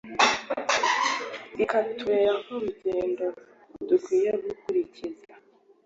ikatubera nk'urugero dukwiye gukurikiza.